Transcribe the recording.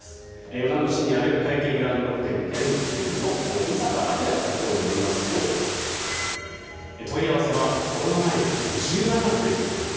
米子市に皆生グランドホテル天水の伊坂明社長によりますと問い合わせは、コロナ前の２０倍まで増えていると。